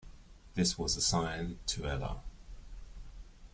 This was assigned toLr.